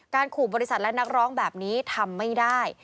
ขู่บริษัทและนักร้องแบบนี้ทำไม่ได้